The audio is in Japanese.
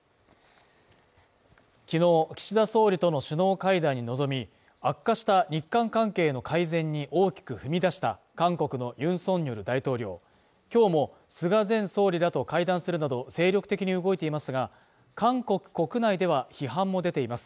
昨日、岸田総理との首脳会談に臨み、悪化した日韓関係の改善に大きく踏み出した韓国のユン・ソンニョル大統領、今日も菅前総理らと会談するなど精力的に動いていますが、韓国国内では批判も出ています。